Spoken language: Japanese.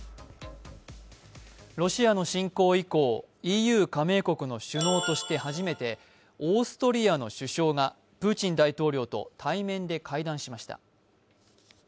ロシアの侵攻以降、ＥＵ加盟国の首脳として初めてオーストリアの首相がプーチン大統領と対面で会談しました。